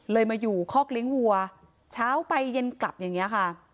มาอยู่คอกเลี้ยงวัวเช้าไปเย็นกลับอย่างนี้ค่ะ